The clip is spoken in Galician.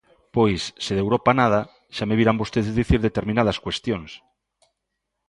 Pois, se de Europa nada, xa me virán vostedes dicir determinadas cuestións.